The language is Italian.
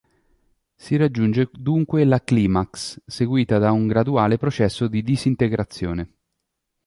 Si raggiunge dunque la climax, seguita da un graduale processo di disintegrazione.